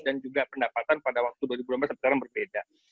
dan juga pendapatan pada waktu dua ribu empat belas sebetulnya berbeda